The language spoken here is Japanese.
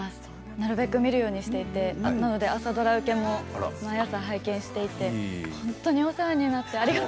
なるべく見るようにしていて朝ドラ受けも毎朝、拝見していて本当にお世話になって。